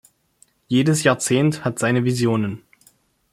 Jedes Jahrzehnt hat seine Visionen.